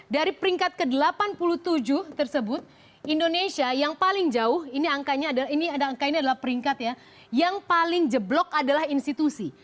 dari peringkat ke delapan puluh tujuh tersebut indonesia yang paling jauh ini angkanya adalah angka ini adalah peringkat ya yang paling jeblok adalah institusi